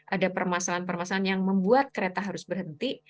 ada permasalahan permasalahan yang membuat kereta harus berhenti